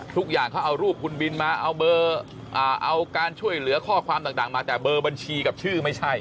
ทุกอย่างเขาเอารูปคุณบินมาเอาการช่วยเหลือข้อความต่างมาแต่เบอร์บัญชีกับชื่อไม่ใช่